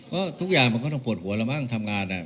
ก็ทุกอย่างมันก็ต้องปวดหัวเรามั่งทำงาน